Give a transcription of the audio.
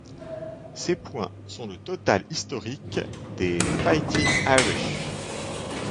Ses points sont le total historique des Fighting Irish.